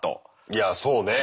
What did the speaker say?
いやそうね。